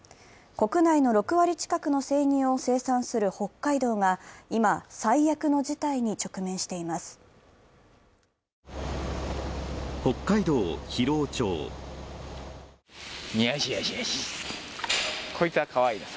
国内の６割近くの生乳を生産する北海道が今、今、最悪の事態に直面しています。